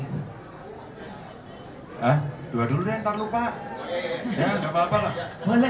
hai ah dua dulu entar lupa ya nggak apa apa lah boleh saya dulu ya